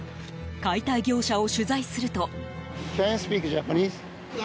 解体業者を取材すると。